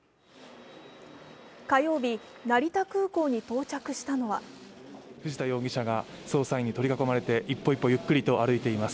火曜日、成田空港に到着したのは藤田容疑者が捜査員に取り囲まれて一歩一歩ゆっくりと歩いています。